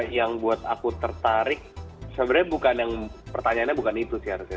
yang buat aku tertarik sebenarnya bukan yang pertanyaannya bukan itu sih harusnya